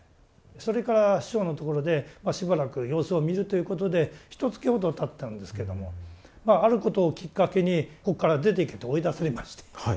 それから師匠のところでしばらく様子を見るということでひとつきほどたったんですけどもあることをきっかけにここから出て行けって追い出されまして。